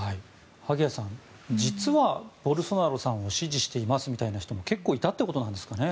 萩谷さん実はボルソナロさんを支持していますみたいな人も結構いたということなんですかね。